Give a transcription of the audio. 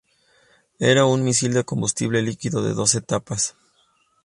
Era un misil de combustible líquido de dos etapas.